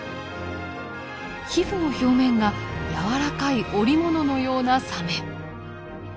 皮膚の表面が柔らかい織物のようなサメ。